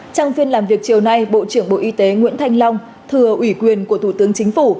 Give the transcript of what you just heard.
trong phiên làm việc chiều nay bộ trưởng bộ y tế nguyễn thanh long thừa ủy quyền của thủ tướng chính phủ